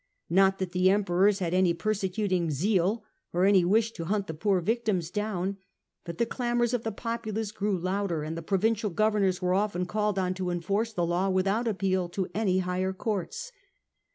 Not that the Emperors had any persecuting zeal, or any wish to hunt the poor victims down. But the clamours of the populace grew louder, and the pro vincial governors were often called on to enforce the law without appeal to any higher courts.